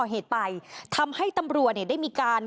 เขาก่อเหตุไปทำให้ตำรัวได้มีการ